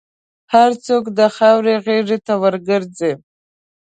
هر څوک د خاورې غېږ ته ورګرځي.